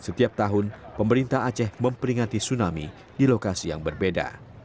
setiap tahun pemerintah aceh memperingati tsunami di lokasi yang berbeda